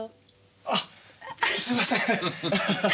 あっすいません！